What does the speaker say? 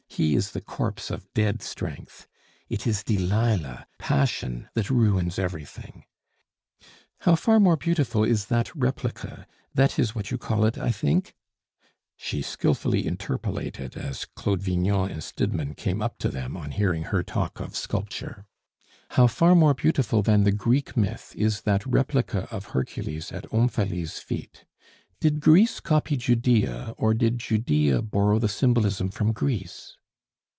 He is the corpse of dead strength. It is Delilah passion that ruins everything. How far more beautiful is that replica That is what you call it, I think " She skilfully interpolated, as Claude Vignon and Stidmann came up to them on hearing her talk of sculpture "how far more beautiful than the Greek myth is that replica of Hercules at Omphale's feet. Did Greece copy Judaea, or did Judaea borrow the symbolism from Greece?"